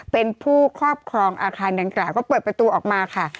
เป็นผู้ครอบครองอาคารดังกล่าวก็เปิดประตูออกมาค่ะ